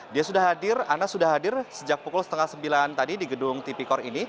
dia sudah hadir anas sudah hadir sejak pukul setengah sembilan tadi di gedung tipikor ini